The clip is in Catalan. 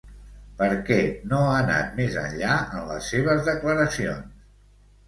Per què no ha anat més enllà en les seves declaracions?